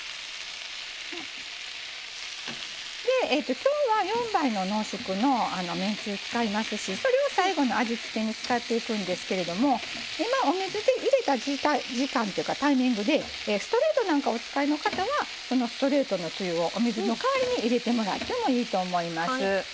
今日は４倍の濃縮のめんつゆ使いますしそれを最後の味付けに使っていくんですけどもお水を入れたタイミングでストレートなんかをお使いの方はストレートのつゆをお水の代わりに入れてもらってもいいと思います。